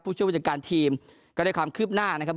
ช่วยผู้จัดการทีมก็ได้ความคืบหน้านะครับ